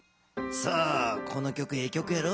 この曲ええ曲やろ？